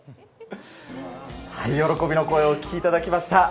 喜びの声をお聞きいただきました。